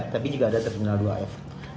tapi juga ada terminal dua f